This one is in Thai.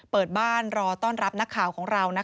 เปิดบ้านรอต้อนรับนักข่าวของเรา